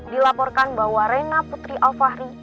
dilaporkan bahwa rena putri alfahri